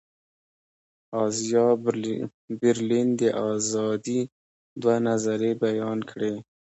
ازایا برلین د آزادي دوه نظریې بیان کړې.